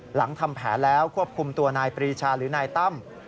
หลังทำแผนแล้วควบคุมตัวนายปรีชาหรือนายตั้ม